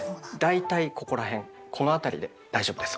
だいたいここら辺この辺りで大丈夫です。